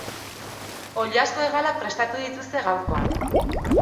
Oilasko hegalak prestatu dituzte gaurkoan.